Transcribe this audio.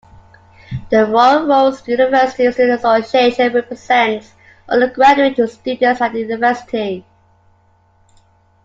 The Royal Roads University Student Association represents undergraduate students at the university.